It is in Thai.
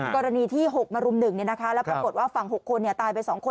กรณีที่หกมารุมหนึ่งเนี่ยนะคะแล้วก็ปรากฏว่าฝั่งหกคนเนี่ยตายไปสองคน